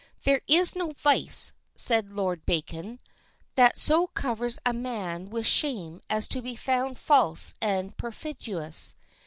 There is no vice, says Lord Bacon, that so covers a man with shame as to be found false and perfidious.